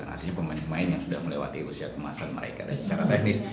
artinya pemain pemain yang sudah melewati usia kemasan mereka dan secara teknis